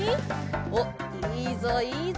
おっいいぞいいぞ